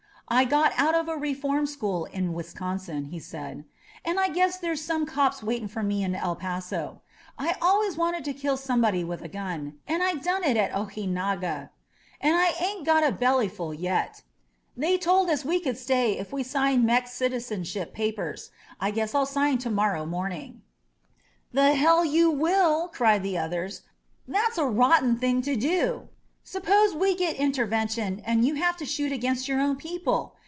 I got out of a reform school in Wisconsin," he said, and I guess there's some cops waiting for me in El Paso. I always wanted to kill somebody with a gun, and I done it at Ojinaga, and I ain't got a bellyful 158 ((« DUELLO A LA FRIGADA yet. They told us we could stay if we signed Mex citi zenship papers; I guess I'll sign to morrow morning." The hell you will," cried the others. "That's a rotten thing to do. Suppose we get Intervention and you have to shoot against your own people.